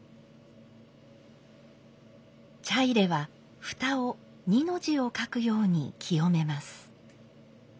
茶入は蓋を「二」の字を書くように清めます。